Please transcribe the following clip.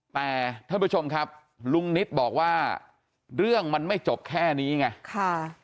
แต่ท่านผู้ชมครับลุงนิตบอกว่าเรื่องมันไม่จบแค่นี้ไงค่ะ